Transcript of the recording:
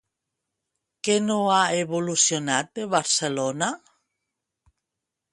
Què no ha evolucionat de Barcelona?